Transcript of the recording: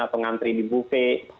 pengantri di bufet